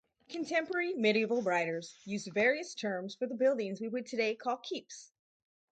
Contemporary medieval writers used various terms for the buildings we would today call keeps.